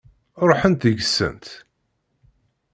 Ṛuḥent deg-sent.